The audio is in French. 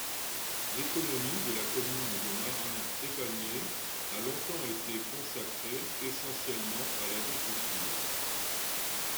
L'économie de la commune de Marin-Epagnier a longtemps été consacrée essentiellement à l'agriculture.